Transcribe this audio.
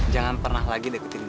jangan pernah lagi deketin gue